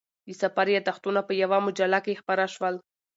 د سفر یادښتونه په یوه مجله کې خپاره شول.